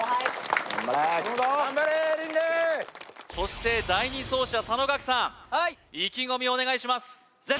頑張れ琳寧そして第２走者佐野岳さんはい意気込みをお願いします